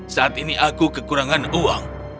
saat ini aku kekurangan uang